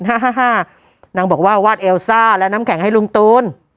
ฮ่าฮ่าฮ่านางบอกว่าวาดเอลซ้าและน้ำแข็งให้ลุงตูน